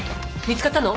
見つかったの？